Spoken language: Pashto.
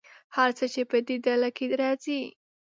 هر څه چې په دې ډله کې راځي.